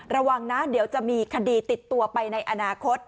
ระวังนะเดี๋ยวจะมีคดีติดตัวไปในอนาคต